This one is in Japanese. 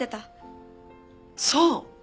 そう！